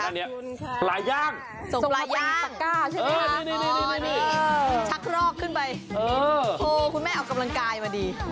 ตรงนี้ปะชักลอกขึ้นไปคุณแม่เอากำลังกายมาสิ